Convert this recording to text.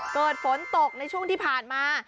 เกิดฝนตกในช่วงที่ผ่านมา